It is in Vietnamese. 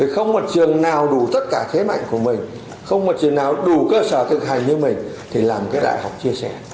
không một trường nào đủ tất cả thế mạnh của mình không một trường nào đủ cơ sở thực hành như mình thì làm cái đại học chia sẻ